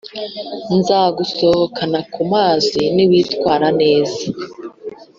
Nzagusohokana kumazi niwitwara neza